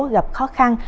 gặp khó khăn